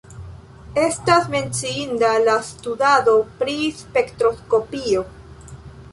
Estas menciinda la studado pri spektroskopio.